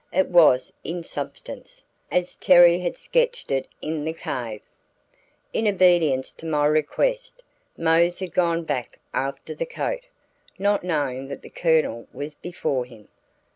It was, in substance, as Terry had sketched it in the cave. In obedience to my request, Mose had gone back after the coat, not knowing that the Colonel was before him.